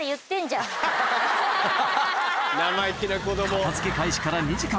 片付け開始から２時間